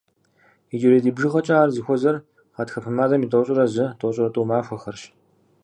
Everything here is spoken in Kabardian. Иджырей ди бжыгъэкӏэ ар зыхуэзэр гъатхэпэ мазэм и тӏощӏрэ зы-тӏощӏрэ тӏу махуэхэрщ.